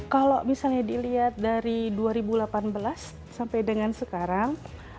kalau misalnya dilihat dari dua ribu delapan belas sampai dengan sekarang